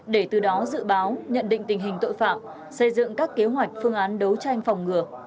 để từ đó dự báo nhận định tình hình tội phạm xây dựng các kế hoạch phương án đấu tranh phòng ngừa